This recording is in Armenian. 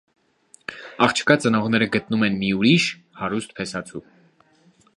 Աղջկա ծնողները գտնում են մի ուրիշ, հարուստ փեսացու։